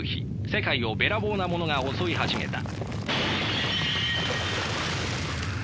世界をべらぼうなものが襲い始めた。